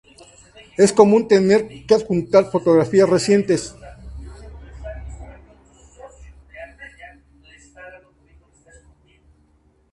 Es común tener que adjuntar fotografías recientes.